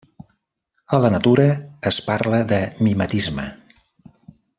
A la natura es parla de mimetisme.